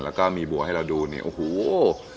แล้วก็มีบัวให้เราดูเนี่ยโอ้โห